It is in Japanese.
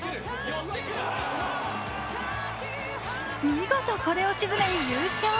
見事これを沈め優勝。